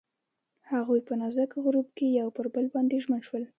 هغوی په نازک غروب کې پر بل باندې ژمن شول.